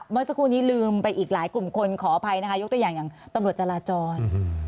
เมื่อสักครู่นี้ลืมไปอีกหลายกลุ่มคนขออภัยนะคะยกตัวอย่างอย่างตำรวจจราจร